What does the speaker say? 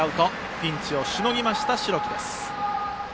ピンチをしのぎました代木。